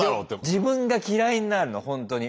自分が嫌いになるのほんとに。